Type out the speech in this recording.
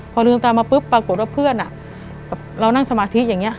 พอลืมตามาปุ๊บปรากฏว่าเพื่อนเรานั่งสมาธิอย่างนี้